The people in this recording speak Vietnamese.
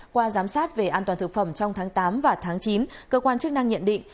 qua giám sát về an toàn thực phẩm trong tháng tám và tháng chín cơ quan chức năng nhận định